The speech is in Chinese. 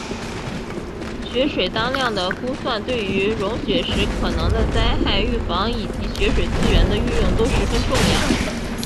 雪水当量的估算对于融雪时可能的灾害预防以及雪水资源的运用都十分重要。